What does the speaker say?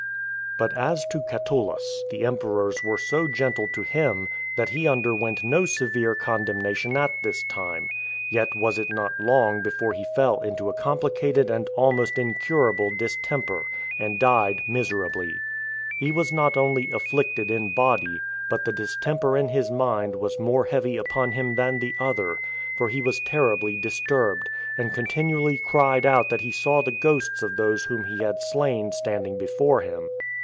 4. But as to Catullus, the emperors were so gentle to him, that he underwent no severe condemnation at this time; yet was it not long before he fell into a complicated and almost incurable distemper, and died miserably. He was not only afflicted in body, but the distemper in his mind was more heavy upon him than the other; for he was terribly disturbed, and continually cried out that he saw the ghosts of those whom he had slain standing before him.